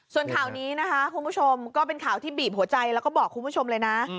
ส่วนข่าวนี้นะคะคุณผู้ชมก็เป็นข่าวที่บีบหัวใจแล้วก็บอกคุณผู้ชมเลยนะ